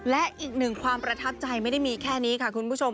และอีกหนึ่งความประทับใจไม่ได้มีแค่นี้ค่ะคุณผู้ชม